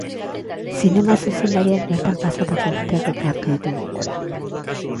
Zinema zuzendariak bertan pasatako urteak ekarri ditu gogora.